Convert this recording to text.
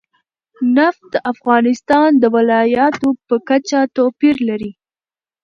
نفت د افغانستان د ولایاتو په کچه توپیر لري.